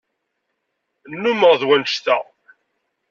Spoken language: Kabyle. Nnumeɣ d wannect-a.